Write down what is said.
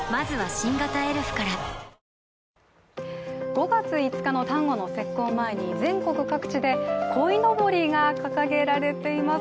５月５日の端午の節句を前に全国各地でこいのぼりが掲げられています。